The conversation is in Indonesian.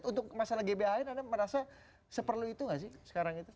untuk masalah gbhn anda merasa seperlu itu nggak sih sekarang itu